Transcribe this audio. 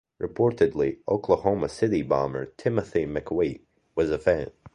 Reportedly, Oklahoma City bomber Timothy McVeigh was a fan.